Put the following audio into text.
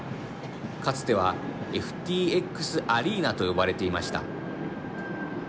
かつてはＦＴＸアリーナと呼ばれていました。